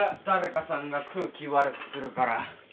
誰かさんが空気悪くするから。